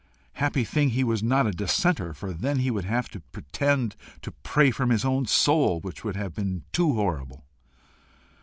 Happy thing he was not a dissenter, for then he would have had to pretend to pray from his own soul, which would have been too horrible!